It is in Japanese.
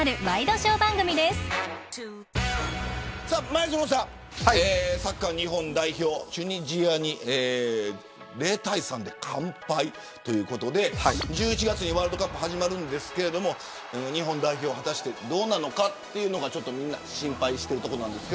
前園さん、サッカー日本代表チュニジアに０対３で完敗ということで１１月にワールドカップ始まるんですけど日本代表果たしてどうなのかというのがみんな心配しているところです。